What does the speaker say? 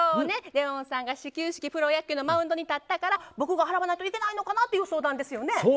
ねっレオンさんが始球式プロ野球のマウンドに立ったから僕が払わないといけないのかなっていう相談ですよね？